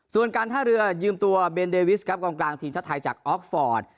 ส่วนการท่าเรือยืมตัวเบนเดวิสครับกองกลางทีมชาติไทยจากออกฟอร์ต